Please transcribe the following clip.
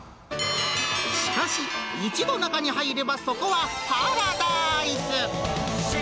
しかし、一度中に入ればそこはパラダイス。